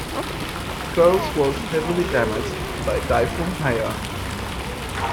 Carles was heavily damaged by Typhoon Haiyan.